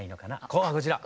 こちら！